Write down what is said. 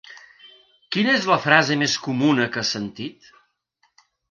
Quina és la frase més comuna que has sentit?